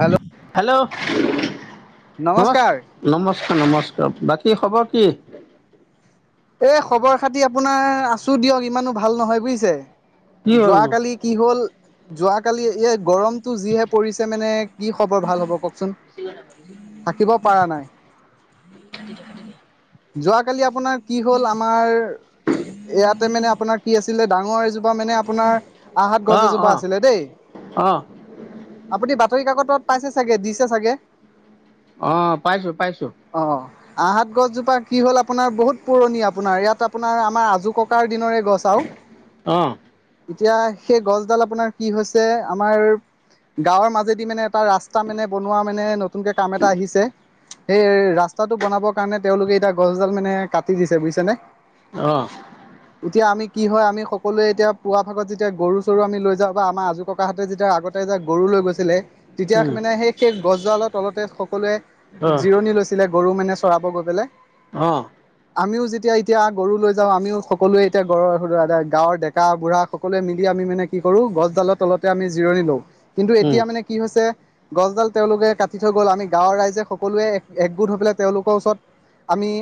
Hello hello নমস্কাৰ নমস্ক। নমস্কাৰ বাকী খবৰ কি? এ, খবৰ খাতি আপোনাৰ আছো দিয়ক ইমানো ভাল নহয় বুজিছে। কি হ'লনো যোৱাকালি কি হ'ল যোৱাকালি এ গৰম। টো যিহে পৰিছে মানে কি খবৰ ভাল হ'ব কওঁকচোন। থাকিব পৰা নাই। [inaudible] যোৱাকালি আপোনাৰ কি হ'ল, আমাৰ ইয়াতে মানে আপোনাৰ কি আছিলে ডাঙৰ এযো। মানে আপোনাৰ আহাত গছ অঁ এজোপা অঁ আছিলে দেই অঁ আপুনি। বাতৰি কাকতত পাইছে চাগে দিছে চাগে। অ পাইছো পাইছো। আহত গছজোপা কি হ'ল আপোনাৰ বহুত পুৰণি আপোনাৰ ইয়াত আপোনাৰ আমাৰ আজো ককাৰ দিনৰে। গছ আৰু অঁ এতিয়া সেই গছডাল আপোনাৰ কি হৈছে আমাৰ। গাঁৱৰ মাজেদি মানে এটা ৰাস্তা মানে বনোৱা মানে নতুনকে কাম এটা আহিছে। সেই ৰাস্তাটো বনাবৰ কাৰণে তেওঁলোকে এতিয়া গছডাল মানে কাটি দিছে বুজিছে নে। অঁ। এতিয়া আমি কি হয়, আমি সকলোৱে এতিয়া পুৱা ভাগত যেতিয়া গৰু চৰু আমি লৈ যাওঁ বা আমাৰ আজো ককাঁ হতে তেতিয়া আগতে। গৰু লৈ গৈছিলে, তেতিয়া মানে সেই সেই গছডালৰ তলতে সকলোৱে অঁ জিৰণি লৈছিলে। গৰু মানে চৰাব গৈ পেলাই। অঁ। আমিও যেতিয়া এতিয়া গৰু লৈ যাওঁ আমিও সকলোৱে এতিয়া গৰ গাঁৱৰ ডেকা বুঢ়া সকলোৱে মিলি। আমি মানে কি কৰো গছডালৰ তলতে আমি জিৰণি লওঁ কিন্তু এতিয়া মানে কি হৈছে। গছডাল তেওঁলোকে কাটি থৈ গ'ল আমি গাঁৱৰ ৰাইজে সকলোৱে এক একগোট হৈ পেলাই তেওঁলোকৰ ওচৰত। আমি।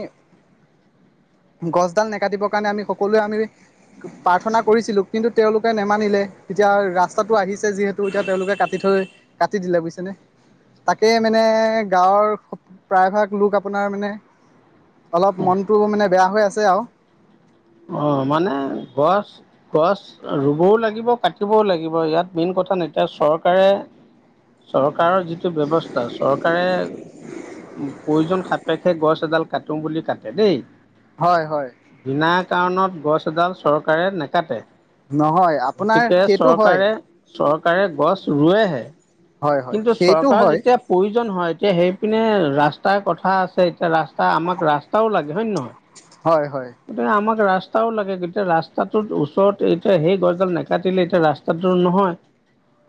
[inaudible] গছডাল নাকাটিবৰ কাৰণে আমি সকলোৱে আমি প্ৰাৰ্থনা কৰিছিলো কিন্তু তেওঁলোকে নেমানিলে। তেতিয়া ৰাস্তাটো আহিছে যিহেতু এতিয়া তেওঁলোকে কাটি থৈ কাটি দিলে বুজিছেনে। তাকে মানে গাঁৱৰ প্ৰায় ভাগ লোক আপোনাৰ মানে। অলপ মনটো মানে বেয়া হৈ আছে আৰু। অ 'মানে গছ। গছ ৰুবও লাগিব কাটিবও লাগিব ইয়াত মেইন কথা এতিয়া চৰকাৰে। চৰকাৰৰ যিটো ব্যৱস্থা চৰকাৰে। প্ৰয়োজন সাপেক্ষে গছ এডাল কাটো বুলি কাটে দেই। হয় হয়। বিনা কাৰণত গছ এডাল চৰকাৰে নাকাটে। নহয় আপোনাৰ গতিকে সেইটো হয় চৰকাৰে চৰকাৰে গছ ৰুৱেহে। হয় হয় কিন্তু সেইটো চৰকাৰ হয় যেতিয়া প্ৰয়োজন হয় এতিয়া সেইপিনে ৰাস্তাৰ কথা আছে এতিয়া ৰাস্ত। আমাক ৰাস্তাও লাগে হয় নে নহয়, হয় হয় গতিকে আমাক ৰাস্তা। ৰাস্তাও লাগে গতিয়া ৰাস্তাটোৰ ওচৰত এতিয়া সেই গছডাল নাকাটিলে এতিয়া ৰাস্তাটো নহয়।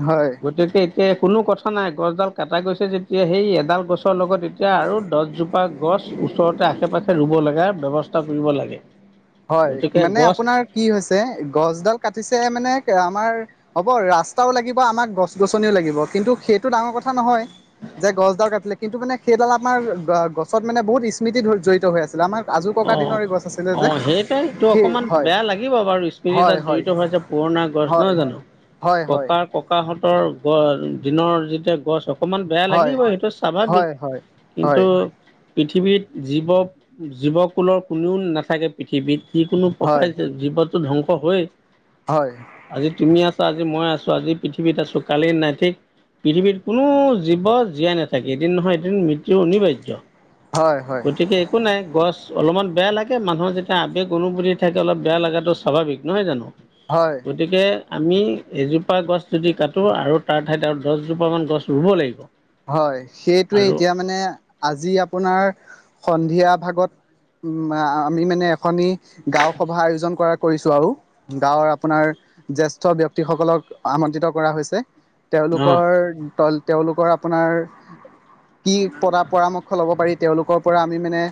হয় গতিকে এতিয়া কোনো কথা নাই, গছডাল কাটা গৈছে যেতিয়া সেই এডাল গছৰ লগত। তেতিয়া আৰু দছজোপা গছ ওচৰতে আশে পাশে ৰুব লগা ব্যৱস্থা কৰিব লাগে। হয় গতিকে মানে গছ আপোনাৰ কি হৈছে গছডাল কাটিছে মানে আমাৰ। হ'ব ৰাস্তাও লাগিব আমাক গছ গছনিও লাগিব কিন্তু সেইটো ডাঙৰ কথা নহয় যে গছডাল কাটিলে কিন্তু মানে সেইডাল আমাৰ গছত মানে বহুত স্মৃতি জড়িত হৈ আছিলে আমাৰ আজো ককা অঁ দিনৰে গছ আছিলে যে অঁ সেইটোৱে এইটো সেই অকমান হয় বেয়া লাগিব বাৰু স্মৃতি হয় তাত হয় জড়িত হৈ হৈছে পুৰণা গছ হয় নহয় জানো। হয় হয় ককাৰ ককাহঁতৰ গছ দিনৰ যেতিয়া গছ অকমান বেয়া হয় লাগিব সেইটো স্বাভাৱিক হয় হয় হয় কিন্তু পৃথিৱীত জীৱ জীৱকুলৰ কোনেও নাথাকে পৃথিৱীত। যিকোনো কোনো হয় পকাইয়ে জীৱনো ধ্বংস হয় হয় আজি তুমি আছ আজি মই আছো আজি পৃথিৱীত আছো কালি নাই ঠিক পৃথিৱীত কোনো জীৱ জীয়াই নাথাকে এদিন নহয় এদিন মৃত্যু অনিবাৰ্য হয় হয় গতিকে একো নাই গছ অলপমান বেয়া লাগে মানুহৰ যেতিয়া আৱেগ অনুভূতি থাকে অলপ বেয়া লগাটো স্বাভাৱিক নহয় জানো। হয় গতিকে আমি এজোপা গছ যদি কাটোঁ আৰু তাৰ ঠাইত আৰু দহজোপামান গছ ৰুব লাগিব। হয়, সেইটোৱে আৰু এতিয়া মানে, আজি আপোনাৰ। সন্ধিয়া ভাগত, আমি মানে এখনি গাঁও সভা আয়োজন কৰা কৰিছো আৰু, গাঁৱৰ আপোনাৰ, জেষ্ঠ ব্যক্তিসকলক আমন্ত্ৰিত কৰা হৈছে। অঁ তেওঁলোকৰ তল তেওঁলোকৰ আপোনাৰ কি পদা পৰামৰ্শ লব পাৰি তেওঁলোক পৰা আমি মানে,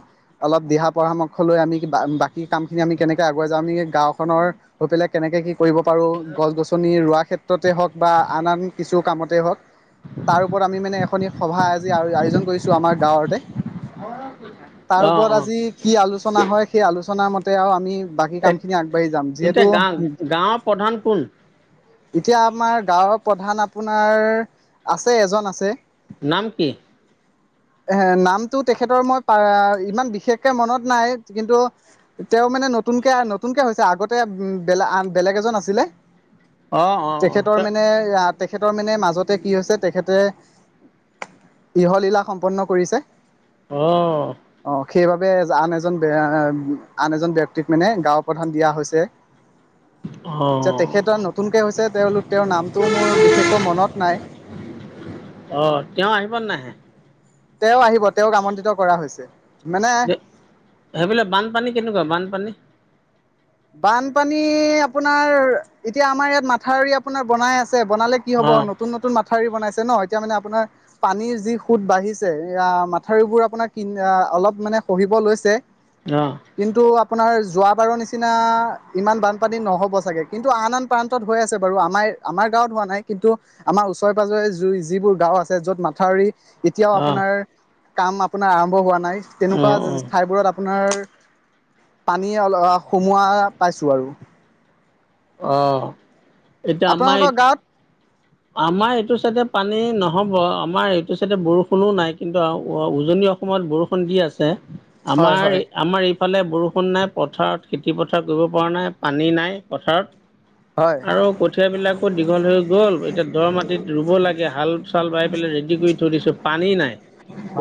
অলপ দিহা পৰামৰ্শ লৈ আমি বাকী কামখিনি আমি কেনেকৈ আগুৱাই যাওঁ আমি গাঁওখনত খনৰ হৈ পেলাই কেনেকে সি কৰিব পাৰোঁ গছ গছনি ৰোৱা ক্ষেত্ৰতেই হওক বা আন আন কিছু কামতেই হওক তাৰ ওপৰত আমি মানে এখনি সভা আজি আয়োজন কৰিছোঁ আমাৰ গাঁৱতে। তাৰ অঁ ওপৰত অঁ আজি কি আলোচনা হয় সেই আলোচনাাৰ মতে আৰু আমি বাকী কাম খিনি আগবাঢ়ি যাম এতিয়া যিহেতু। গাঁও গাঁৱৰ প্ৰধান কোন এতিয়া আমাৰ গাঁৱৰ প্ৰধান আপোনাৰ, আছে এজন আছে। নাম কি? এ নামটো তেখেতৰ মই পাৰে ইমান বিশেষকে মনত নাই কিন্তু তেওঁ মানে নতুনকে নতুনকে হৈছে আগতে বেলা বেলেগ এজন আছিলে। অঁ অঁ তেখেতৰ অঁ মানে আহ তেখেতৰ মানে মাজতে কি হৈছে তেখেতে ইহলীলা সম্পন্ন কৰিছে। অহ অ সেইবাবে আন এজন আন এজন ব্যক্তিক মানে গাঁও প্ৰধান দিয়া হৈছে। এ অঁ তেখেতৰ নতুনকে হৈছে তেওঁলোক তেওঁৰ নামটো মোৰ বিশেষকৈ মনত নাই। অ তেওঁ আহি প নাই। তেওঁ আহিব তেওঁক আমন্ত্ৰিত কৰা হৈছে। মানে সেইবিললে বানপানী কেনেকুৱা বানপানী। বানপানী আপোনাৰ এতিয়া আমাৰ ইয়াত মাথাউৰি আপোনাৰ বনাই আছে। বনালে কি হ'ব অঁ নতুন নতুন মাথাউৰি বনাইছে। ন এতিয়া মানে আপোনাৰ, পানীৰ যি সুত বাঢ়িছে ইয়া মাথাউৰিবোৰ আপোনাৰ কি আ অলপ মানে খহিব লৈছে, অঁ কিন্তু আপোনাৰ যোৱ বাৰৰ নিচিনা নিচিনা ইমান বানপানী নহ'ব চাগে কিন্তু আন আন প্ৰান্তত হৈ আছে বাৰু আমাৰ আমাৰ গাঁৱত হোৱা নাই। কিন্তু, আমাৰ ওচৰে পাঁজৰে জুই যিবোৰ গাওঁ আছে য'ত মাথাউৰি এতিয়াও অঁ আপোনাৰ, কাম আপোনাৰ আৰম্ভ হোৱা নাই, তেনেকুৱা অঁ অঁ ঠাইবোৰত আপোনাৰ পানী অল সুমোৱা পাইছো আৰু। অহ আপোনালোকৰ গাৱত আমাৰ এইটো চাইডে পানী নহব আমাৰ এইটো চাইডে বৰষুণো নাই কিন্তু উজনি অ সমত বৰষুণ দি আছে, হয় আমাৰ হয় আমাৰ ইফালে বৰষুণ নাই পথাৰত খেতি পথাৰ কৰিব পৰা নাই পানী নাই পথাৰত। হয় আৰু কঠিয় বিলাকো দীঘল হৈ গল, এতিয়া দৰ মাটিত ৰুব লাগে হাল চাল বাই পেলাই ৰেডি কৰি পানী নাই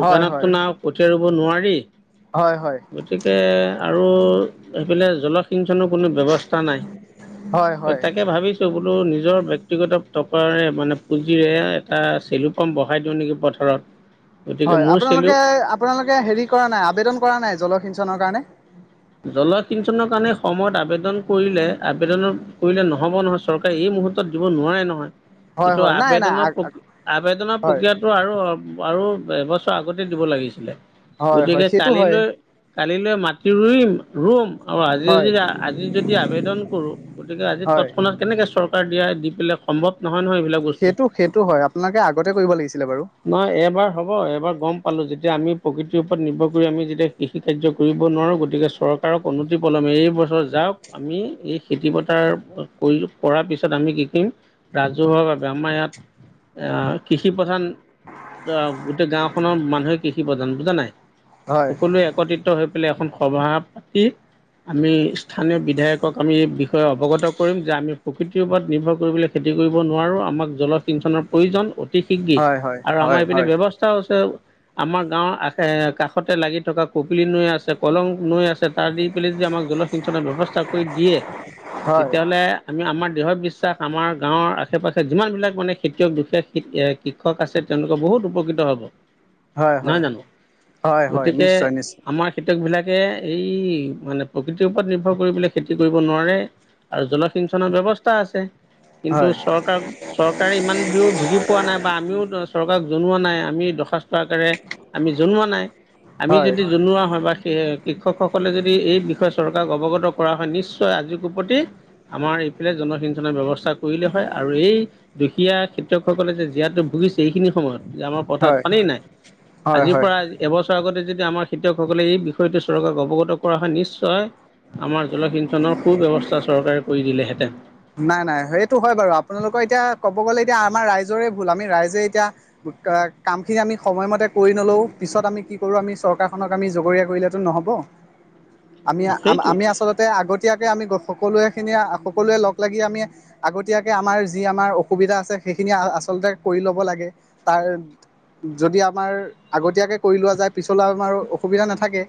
হয় হয় কথিয়া ৰুব নোৱাৰি হয় হয় গতিকে অৰু সেইফালে। কোনো ব্যবস্থা নাই হয় হয় তাকে ভাবিছো। নিজৰ ব্যক্তিগত টকাৰে মানে পুঁজিৰে এটা চেলু পাম বহাই দিওঁ নেকি পথাৰত। গতিকে হয় মোৰ চেলো আপোনালোকে আপোনালোকে হেৰি কৰা নাই আবেদন কৰা নাই জলসিঞ্চনৰ কাৰণে? জলসিঞ্চনৰ কাৰণে সময়ত আবেদন কৰিলে আবেদন কৰিলে নহব নহয় চৰকাৰে এই দিব নোৱাৰে নহয় হয় এইটো হয় নাই নাই আব আবেনৰ হয় প্ৰক্ৰিয়টো আৰু আৰু এবছৰ আগতে দিব লাগিছিলে। হয় হয় গতিকে সেইটো হয় কালিলৈ, কালিলৈ মাটতি ৰুইম ৰুম। আৰু আজি হয় যদি আজি যদি আবেদন কৰো গতিকে আজি হয় তৎক্ষণাত কেনেকে চৰকাৰ দিয়া দি পেলাই সম্ভৱ নহয়। নহয় এইবিলাক বস্তু সেইটো সেইটো হয় আপোনোকে আগতে কৰিব লাগিছিলে বাৰু। নহয় এবাৰ হ'ব এবাৰ গম পালো য যে আমি প্ৰকৃতিৰ ওপৰত নিৰ্ভৰ কৰি আমি যেতিয়া কৃষি কাৰ্য কৰিব নোৱাৰোঁ গতিকে চৰকাৰক অনুতি পলমে এই বছৰ যাওক আমি এই খেতি পথাৰ কৰি কৰাৰ পিছত আমি [unintelligible] আমি কিখিম ৰাজহুৱা বাবে আমাৰ ইয়াত এ কৃষি প্ৰধান [unintelligible] গোটেই গাওঁখনৰ মানুহে কৃষি প্ৰধান বুজা নাই। হয় সকলোৱে একত্ৰিত হৈ পেলাই এখন সভা পাতি আমি স্থানীয় বিধায়কক আমি এই বিষয়ে অৱগত কৰিম যে আমি প্ৰকৃতিৰ ওপৰত নিৰ্ভৰ কৰিবলৈ খেতি কৰিব নোৱাৰোঁ আমাক জলসিঞ্চনৰ প্ৰয়োজন। অতিশীঘ্ৰেই হয় হয় আৰু আমাৰ হয় ইপিনে হয় ব্যৱস্থাও আছে। আমাৰ গাঁৱৰ আষে কাষতে লাগি থকা কপিলি নৈ আছে কলং নৈ আছে। তাৰ দি পেলাই যদি আমাক জলসিঞ্চনৰ ব্যৱস্থা কৰি দিয়ে, হয় তেতিয়াহলে আমি আমাৰ [unintelligible] দিহ বিশ্বাস আমাৰ গাঁৱৰ আশে পাশে যিমানবিলাক মানে খেতিয়ক দুখীয়া শিক্ষক আছে তেওঁলোকৰ বহুত উপকৃত হ'ব হয় হয় নহয় জানো? হয় হয় গতিকে নিশ্চয় নিশ্চয় আমাৰ খেতিয়কবিলাক এই মানে প্ৰকৃতিৰ ওপৰত নিৰ্ভৰ কৰি পেলাই খেতি কৰিব নোৱাৰে আৰু জলসিঞ্চনৰ ব্যৱস্থা আছে। কিন্তু হয় চৰকাৰ চৰকাৰে ইমান দিও ধুকি পোৱা নাই বা আমিও চৰকাৰ জনোৱা নাই আমি দৰ্খাস্ত আকাৰে আমি জনোৱা নাই আমি হয় যদি জনোৱা হয় বা সেই শিক্ষকসকলে যদি এই বিষয়ে চৰকাৰক অৱগত কৰা হয় নিশ্চয় আজিৰ কোপতি প্ৰতি আমাৰ এইফালে জলসিঞ্চনৰ ব্যৱস্থা কৰিলেই হয় আৰু এই দুখীয়া খেতিয়কসকলে যে জীয়াতু ভুগিছে এইখিনি সময়ত যে আমাৰ পথাৰত হয় পানী নাই। হয় আজিৰ হয় পৰা এবছৰ আগতে যদি আমাৰ খেতিয়কসকলে এই সৈতে চৰকাৰক অৱগত কৰা হয় নিশ্চয় আমাৰ জলসিঞ্চনৰ সু-ব্যৱস্থা চৰকাৰে কৰি দিলেহেঁতেন। নাই-নাই সেইটো হয় বাৰু আপোনালোকৰ এতিয়া ক'ব গ'লে এতিয়া আমাৰ ৰাইজৰে ভুল, আমি ৰাইজে এতিয়া কামখিনি আমি সময়মতে কৰি নলওঁ পিছত আমি কি কৰো আমি চৰকাৰখনক আমি জগৰীয়া কৰিলেতো নহ'ব। [inaudible] সেইটোৱে আমি-আমি আছো। [unintelligible] আগতীয়াকে আমি সকলোৱে খিনি সকলোৱে লগ লাগি আমি আগতীয়াকে আমাৰ যি আমাৰ অসুবিধা সুবিধা আছে সেইখিনি আচলতে কৰি ল'ব লাগে তাৰ যদি আমাৰ আগতীয়াকে কৰি লোৱা যায় পিছলৈ আমাৰ অসুবিধা নাথাকে।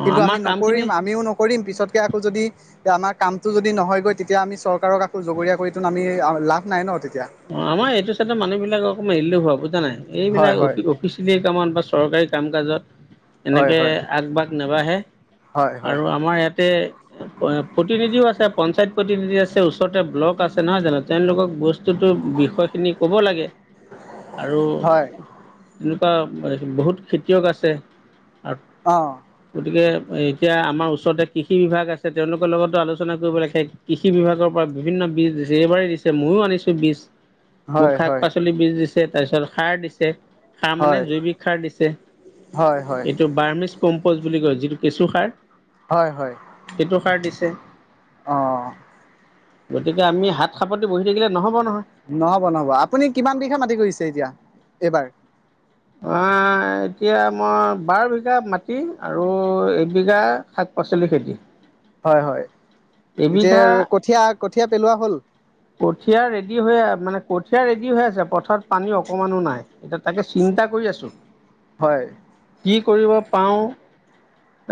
অ' কিন্তু আমি আমাৰ কামখিনি নকৰিম আমিও নকৰিম পিছতকে [unintelligible] আমাৰ কামটো যদি নহয়গৈ তেতিয়া আমি চৰকাৰক আকৌ জগৰীয়া কৰিত আমি লাভ নাই ন। তেতিয়া অ আমাৰ এইটো চাইতৰ মানুহবিলাক অকমান ইলে হোৱা বুজা নাই হয় এইবিলাক হয় অফ-অফিচিয়েলি কামত বা চৰকাৰী কাম কাজত হয় এনেকে হয় আগভাগ নাবাঢ়ে। হয় হয় আৰু আমাৰ ইয়াতে প্ৰতিনিধিও আছে পঞ্চায়ত প্ৰতিনিধি আছে ওচৰতে ব্লক আছে আছে নহয় জানো তেওঁলোকক বস [unintelligible] বস্তুটোৰ বিষয়খিনি ক'ব লাগে আৰু হয় এনেকুৱা বহুত খেতিয়ক আছে আৰু অ গতিকে এতিয়া আমাৰ ওচৰতে কৃষি বিভাগ আছে তেওঁলোকৰ লগতো আলোচনা কৰিব লাগে কৃষি বিভাগৰ পৰা বিভিন্ন। এইবাৰেই দিছে ময়ো আনিছোঁ। বীজ মোক হয় হয় শাক-পাচলি বীজ দিছে, তাৰ পিছত সাৰ দিছে। সাৰ মানে হয় জৈৱিক সাৰ দিছে হয় হয় এইটো বাৰ্মিচ কম্প'জ বুলি কয় যিটো। কেঁচুসাৰ হয়-হয় অহ গতিকে আমি হাত সাপতি বহি থাকিলে নহ'ব। নহয় নহব-নহব আপুনি কিমান বিঘা মাটি কৰিছে এতিয়া এইবাৰ। আহ এতিয়া মই বাৰ বিঘা মাটি আৰু এবিঘা শাক-পাচলিৰ খেতি। হয়-হয় এবিঘা হ'ল কঠীয়া ৰেডি হৈ মানে কঠীয়া ৰেডি হৈ আছে পথাৰত পানী অকণমানো নাই এতিয়া তাকে চিন্তা কৰি আছোঁ। হয়। কি কৰিব পাওঁ।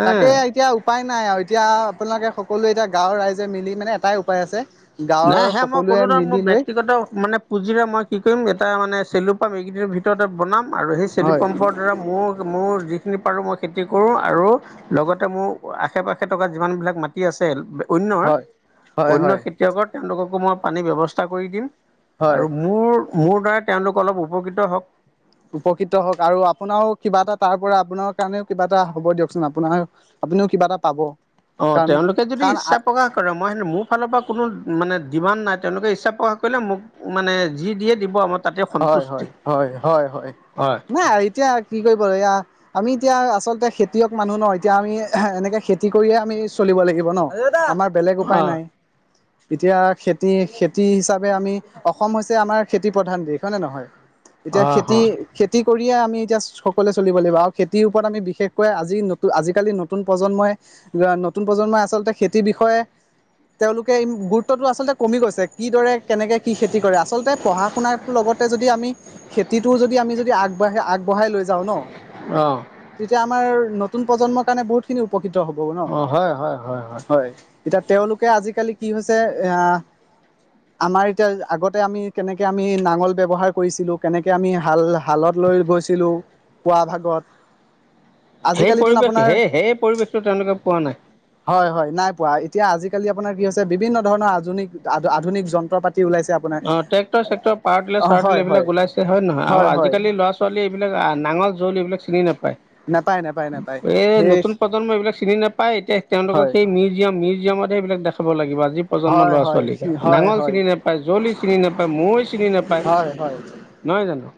তাকে এতিয়া উপায়- নাই আৰু এতিয়া আপোনালোকে সকলোৱে এতিয়া গাঁওৰ ৰাইজে মিলি মানে এটাই উপায় আছে। গাঁৱৰ নাই সেয়া মই সকলোৱে ক'লো ন মোৰ মিলি ব লৈ ব্যক্তিগত মানে পুঁজিৰে মই কি কৰিম। এটা মানে চেলু পাম এইকেইদনৰ ভিতৰতে বনাম। আৰু সেই চেলি হয় পম্পৰ দ্বাৰা মোৰ মোৰ যিখিনি পাৰো মই খেতি কৰো আৰু লগতে মোৰ আশে পাশে থকা যিমান বিলাক মাটি আছে। অন্য হয় হয় অন্য হয় খেতিয়কৰ তেওঁলোককো মই পানীৰ ব্যৱস্থা কৰি দিম। হয় আৰু মোৰ মোৰ দ্বাৰা তেওঁলোক অলপ উপকৃত হওক। উপকৃত হওক আৰু আপোনাৰও কিবা এটা তাৰ পৰা আপোনাৰ কাৰণেও কিবা এটা হ'ব দিয়কচোন আপোনাৰ। আপুনিও কিবা এটা পাব। অ কাৰণ তেওঁলোকে যদি কাৰণ ইচ্ছা প্ৰকাশ কৰে মই মোৰ ফালৰ পৰা কোনো মানে ডিমাণ্ড নাই তেওঁলোকে ইচ্ছা প্ৰকাশ কৰিলে মোক মানে যি দিয়ে দিব আৰু। হয় হয় হয় হয় হয় নাই এতিয়া কি কৰিব ল আমি এতিয়া আচলতে খেতিয়ক মানুহ ন এতিয়া আমি এনেকে খেতি কৰিয়ে আমি চলিব লাগিব ন আমাৰ বেলেগ অ উপায় নাই। এতিয়া খেতি খেতি হিচাপে আমি অসম হৈছে আমাৰ খেতি প্ৰধান দেশ। হয়নে নহয় অ এতিয়া খেতি হয় খেতিক কৰিয়ে আমি এতিয়া সকলোৱে চলিব লাগিব আৰু খেতিৰ ওপৰত আমি বিশেষকৈ আজি নতু আজিকালি নতুন প্ৰজন্মই। নতুন প্ৰজন্মই আচলতে খেতিৰ বিষয়ে। তেওঁলোকে গুৰুত্বটো আচলতে কমি গৈছে কিদৰে কেনেকৈ কি খেতি কৰে আচলতে পঢ়া শুনাৰটো লগত। যদি আমি খেতিটো যদি আমি যদি আগবাঢ়ি আগবঢ়াই লৈ যাওঁ ন। অ তেতিয়া আমাৰ নতুন প্ৰজন্মৰ কাৰণে বহুতখিনি উপকৃত। হ'ব ন অ হয় হয় হয় এতিয়া তেওঁলোকে আজিকালি কি হৈছে এ আমাৰ এতিয়া আগতে আমি কেনেকে আমি নাঙল। ব্যৱহাৰ কৰিছিলো কেনেকে আমি হাল হালত লৈ গৈছিলো পুৱা ভাগত সেই আজিকালিতোন পৰিৱেশ আপোনাৰ সেই সেই পৰিৱেশটো তেওঁলোকে পোৱা নাই। হয় হয় নাই পোৱা এতিয়া আজিকালি আপোনাৰ কি হৈছে বিভিন্ন ধৰণৰ আধুনিক আধুনিক যন্ত্ৰ পাতি। ওলাইছে আপোনাৰ। চাৰ অ চাৰ্টিল হয় হয় এইবিলাক ওলাইছে হয় নহয় আৰু আজিকালি' লৰা ছোৱালীয়ে এইবিলাক নাঙল জুৰুলি এইবিলাক চিনি নাপায়। নাপাই। এই নতুন প্ৰজন্ম এইবিলাক চিনি নাপায় এতিয়া তেওঁলোকক হয় সেই মিউজিয়াম মিজ মিউজিয়ামত সেইবিলাক দেখাব লাগিব আজি প্ৰজন্মৰ হয় লৰা হয় ছোৱালীক হয় নাঙল হয় চিনি নাপাই [unintelligible] চিনি নাপায়, মই চিনি নাপায়, হয় হয় নহয় জানোঁ?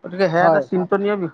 গতিকে, সেয়া হয় এটা চিন্তনীয় বিষয়।